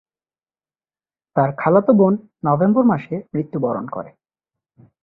তার খালাতো বোন নভেম্বর মাসে মৃত্যুবরণ করে।